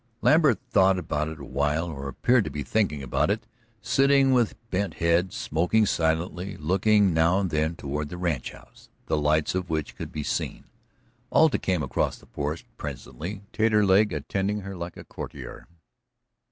Lambert thought about it a while, or appeared to be thinking about it, sitting with bent head, smoking silently, looking now and then toward the ranchhouse, the lights of which could be seen. Alta came across the porch presently, Taterleg attending her like a courtier.